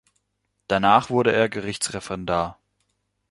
Danach wurde er Gerichtsreferendar.